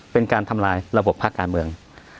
เป็นการทำลายระบบภาคการเมือง